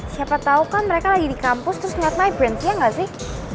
siapa tau kan mereka lagi di kampus terus ngeliat my prince ya gak sih